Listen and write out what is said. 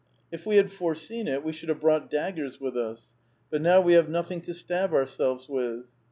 " If we had foreseen it, we should have brought daggers with us. But now we have nothing to stab ourselves with."